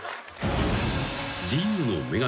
［自由の女神